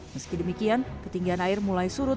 meski demikian ketinggian air mulai surut